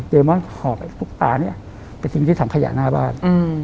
เดมอนหอบลูกตาไปทิ้งที่ทำขยะหน้าบ้าน